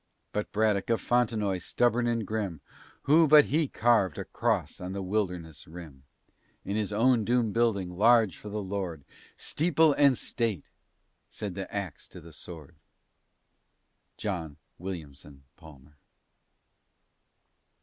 "But Braddock of Fontenoy, stubborn and grim, Who but he carved a cross on the wilderness rim? In his own doom building large for the Lord, Steeple and State!" said the Ax to the Sword. JOHN WILLIAMSON PALMER.